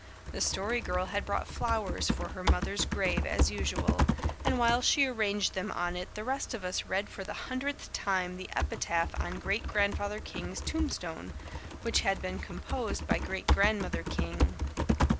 The Story Girl had brought flowers for her mother's grave as usual, and while she arranged them on it the rest of us read for the hundredth time the epitaph on Great Grandfather King's tombstone, which had been composed by Great Grandmother King.